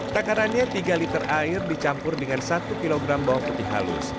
takarannya tiga liter air dicampur dengan satu kilogram bawang putih halus